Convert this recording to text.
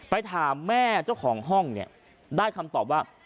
ถามแม่เจ้าของห้องเนี่ยได้คำตอบว่า